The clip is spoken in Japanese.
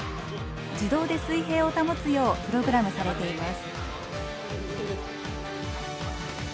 自動で水平を保つようプログラムされています。